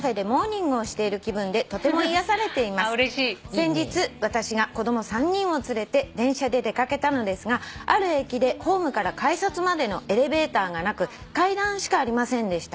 「先日私が子供３人を連れて電車で出掛けたのですがある駅でホームから改札までのエレベーターがなく階段しかありませんでした。